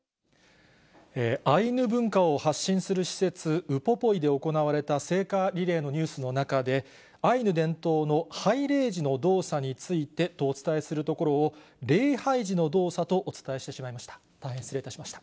アイヌ文化を発信する施設、ウポポイで行われた聖火リレーのニュースの中で、アイヌ伝統の拝礼時の動作についてとお伝えするところを、礼拝時の動作とお伝えしてしまいました。